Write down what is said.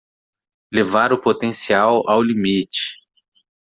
Levar o potencial ao limite